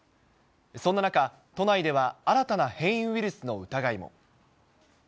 そんな中、都内では新たな変異ウイルスの疑いも。